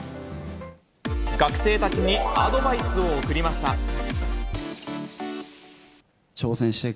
学生たちにアドバイスを送りました。